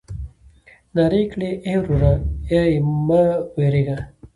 نارې يې کړې ای وروره ای مه وېرېږه.